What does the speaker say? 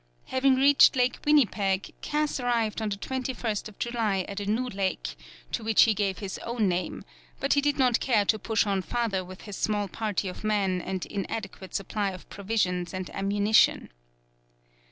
Having reached Lake Winnipeg, Cass arrived on the 21st July at a new lake, to which he gave his own name, but he did not care to push on further with his small party of men and inadequate supply of provisions and ammunition.